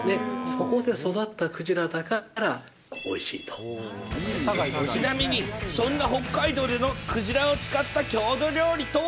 そこで育ったクジラだからおいしちなみに、そんな北海道でのクジラを使った郷土料理とは？